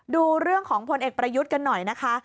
ดูเรื่องของพลเอกประยุทธ์กันหน่อยนะคะ